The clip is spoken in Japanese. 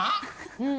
うん！